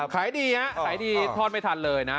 ขายดีฮะขายดีทอดไม่ทันเลยนะ